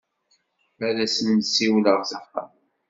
Ad as-n-siwleɣ s axxam.